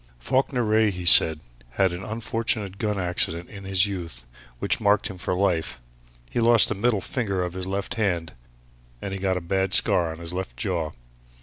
"Falkiner Wraye," he said, "had an unfortunate gun accident in his youth which marked him for life. He lost the middle finger of his left hand, and he got a bad scar on his left jaw.